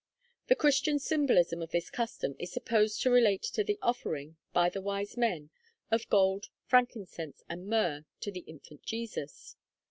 ] The Christian symbolism of this custom is supposed to relate to the offering, by the Wise Men, of gold, frankincense, and myrrh to the infant Jesus.